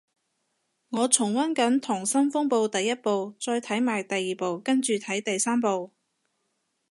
我重溫緊溏心風暴第一部，再睇埋第二部跟住睇第三部